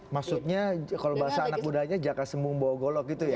maksudnya kalau bahasa anak mudanya jaka sembung bawa golok gitu ya